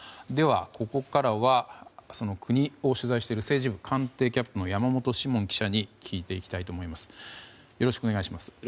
では、ここからは国を取材している政治部官邸キャップ山本志門記者に聞いていきたいと思います。